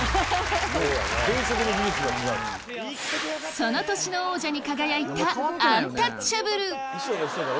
その年の王者に輝いたアンタッチャブル！